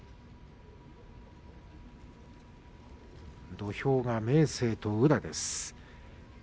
土俵が明生と宇良です。